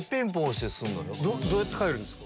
どうやって帰るんですか？